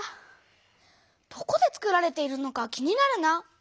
どこでつくられているのか気になるな。